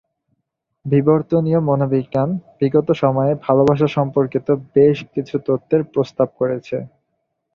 বিবর্তনীয় মনোবিজ্ঞান বিগত সময়ে ভালোবাসা সম্পর্কিত বেশ কিছু তত্ত্বের প্রস্তাব করেছে।